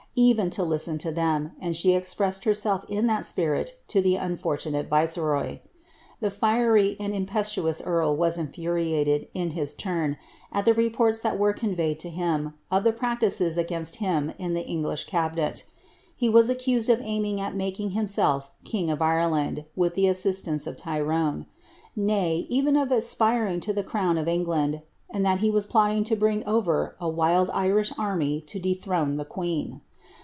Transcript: even lo lisieji to ihcm, and she expressed herself in that spirit to b« unforiunate viceroy. The fiery and impetuous carl was infuriated, in his turn, al the reports that were conveyed to him, of the practtces against him in the English cabinet, lie was accused ofaimingat makint himself king of Ireland, with the assistance of Tyrone; nay, eren of aspiring to the crown of England, and that he was plotting to brinj over a wild Irish army to dethrone the queen.'